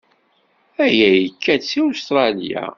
Aya yekka-d seg Ustṛalya.